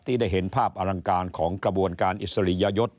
ได้เห็นภาพอลังการของกระบวนการอิสริยยศ